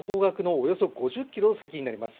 およそ５０キロ先になります。